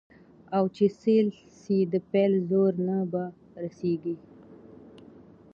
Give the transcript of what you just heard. او چي سېل سي د پیل زور نه په رسیږي